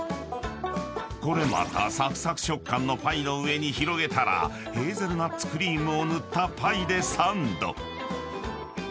［これまたサクサク食感のパイの上に広げたらヘーゼルナッツクリームを塗った］